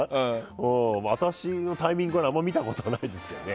アタシのタイミングであんまり見たことないですけどね。